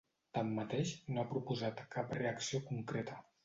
Tanmateix, no ha proposat cap reacció concreta.